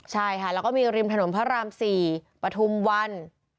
ใช่ค่ะแล้วก็มีริมถนนพระราม๔ปฐุมวัน